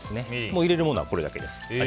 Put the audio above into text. もう入れるものは、これだけです。